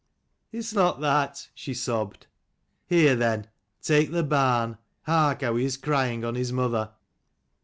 " It's not that," she sobbed. "Here, then; take the barn: hark how he is crying on his mother."